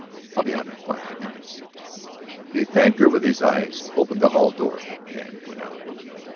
I'll be out in five minutes." He thanked her with his eyes, opened the hall door, and went out.